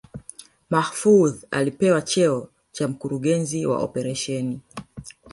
Mahfoudhi alipewa cheo cha Mkurugenzi wa Operesheni